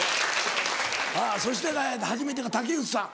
そして初めてが竹内さん。